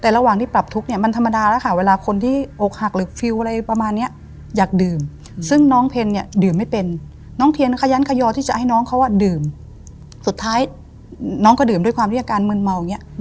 น้องก็ดื่มด้วยความที่อาการมืนเมาอย่างเงี้ย